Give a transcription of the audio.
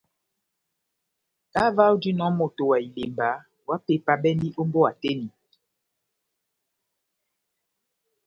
Kahá ová ojinɔ moto wa ilemba, ohápepabɛndi ó mbówa tɛ́h eni.